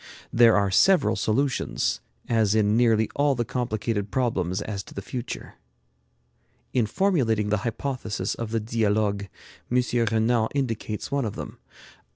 There are several solutions, as in nearly all the complicated problems as to the future. In formulating the hypothesis of the 'Dialogues,' M. Renan indicates one of them.